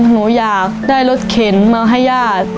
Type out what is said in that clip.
หนูอยากได้รถเข็นมาให้ญาติ